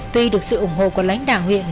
tuy được sự ủng hộ của lãnh đạo huyện